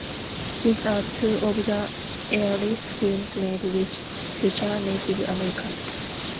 These are two of the earliest films made which feature Native Americans.